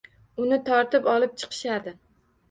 Uni tortib olib chiqishadi